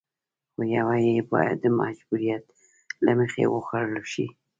خو يوه يې بايد د مجبوريت له مخې وخوړل شي.